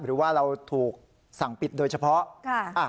หรือว่าเราถูกสั่งปิดโดยเฉพาะ